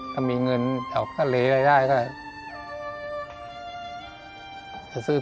และกับผู้จัดการที่เขาเป็นดูเรียนหนังสือ